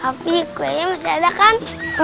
tapi kuenya masih ada kan